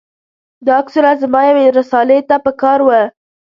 دا عکسونه زما یوې رسالې ته په کار و.